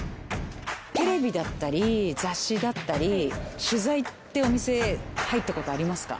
テレビだったり雑誌だったり取材ってお店入った事ありますか？